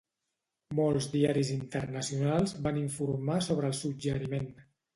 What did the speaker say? Molts diaris internacionals van informar sobre el suggeriment.